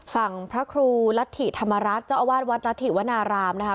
พระครูรัฐธิธรรมรัฐเจ้าอาวาสวัดรัฐิวนารามนะคะ